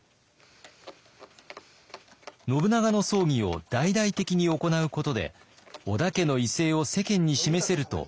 信長の葬儀を大々的に行うことで織田家の威勢を世間に示せると秀吉は考えていました。